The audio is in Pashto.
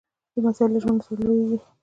لمسی له ژمنو سره لویېږي.